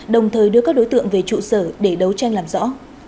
đồng thời đưa các đối tượng về trụ sở để đấu tranh làm rõ